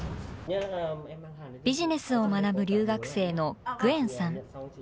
ビジネスを学ぶ留学生のグエンさん。